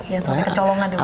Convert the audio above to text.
ya sampai kecolongan juga ya